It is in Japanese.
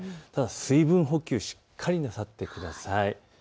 ただ水分補給はしっかりとなさってください。